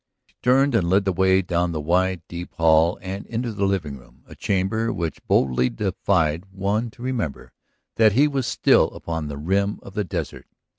She turned and led the way down the wide, deep hall and into the living room, a chamber which boldly defied one to remember that he was still upon the rim of the desert.